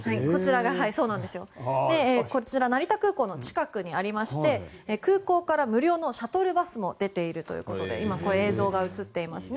こちら成田空港の近くにありまして空港から無料のシャトルバスも出ているということで今、映像が映っていますね。